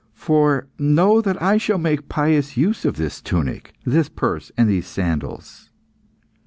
For know that I shall make pious use of this tunic, this purse, and these sandals."